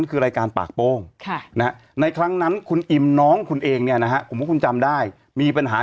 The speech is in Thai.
ขออิ่มเลยเนี่ยขอพี่อิ่ม